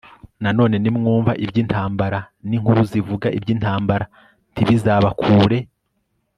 Nanone nimwumva iby intambara n inkuru zivuga iby intambara ntibizabakure